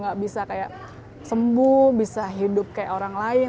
gak bisa kayak sembuh bisa hidup kayak orang lain